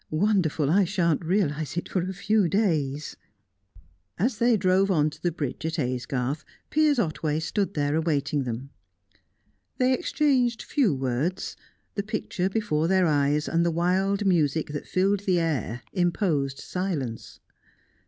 Wonderful I shan't realise it for a few days." As they drove on to the bridge at Aysgarth, Piers Otway stood there awaiting them. They exchanged few words; the picture before their eyes, and the wild music that filled the air, imposed silence.